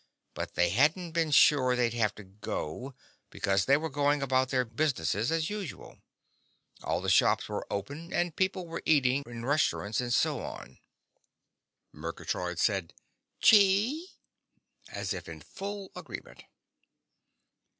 But they hadn't been sure they'd have to go because they were going about their businesses as usual. All the shops were open and people were eating in restaurants, and so on." Murgatroyd said, "Chee!" as if in full agreement.